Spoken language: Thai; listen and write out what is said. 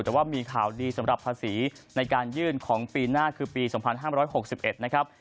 แต่ว่ามีข่าวดีสำหรับภาษีในการยื่นของปีหน้าคือปี๒๕๖๑นะครับ